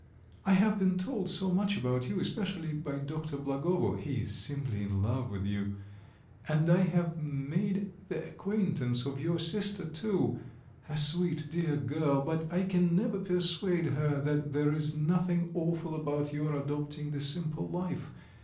"I have been told so much about you. Especially by Dr. Blagovo; he is simply in love with you. And I have made the acquaintance of your sister too; a sweet, dear girl, but I can never persuade her that there is nothing awful about your adopting the simple life.